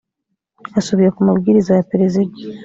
asubiye ku mabwiriza ya perezida